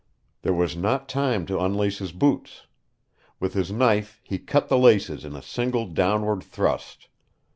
There was not time to unlace his boots. With his knife he cut the laces in a single downward thrust.